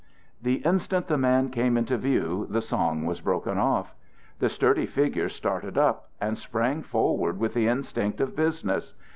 The instant the man came into view, the song was broken off. The sturdy figure started up and sprang forward with the instinct of business.